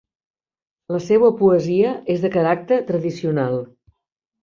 La seua poesia és de caràcter tradicional.